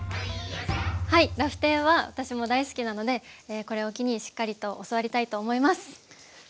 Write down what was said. はいラフテーは私も大好きなのでこれを機にしっかりと教わりたいと思います。